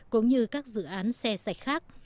cũng như các dự án xe sạch khác